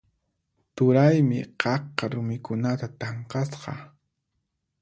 Turaymi qaqa rumikunata tanqasqa.